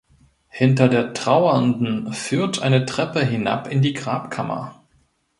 Hinter der Trauernden führt eine Treppe hinab in die Grabkammer.